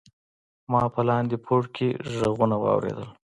ما په لاندې پوړ کې غږونه واوریدل.